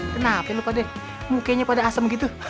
kenapa lu pada mukanya pada asam gitu